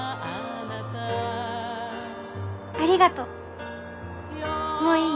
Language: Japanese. ありがとう